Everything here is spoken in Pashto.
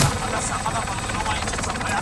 د خپلو شخصي عیبونو